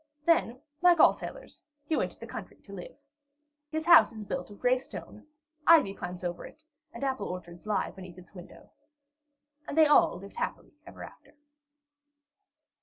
Then, like all sailors, he went to the country to live. His house is built of gray stone, ivy climbs over it, and apple orchards lie beneath its windows. And the all lived happily ever after.